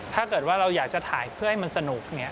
ถ้าเกิดว่าเราอยากจะถ่ายเพื่อให้มันสนุกเนี่ย